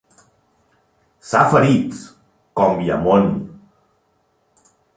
S'ha ferit!, com hi ha món!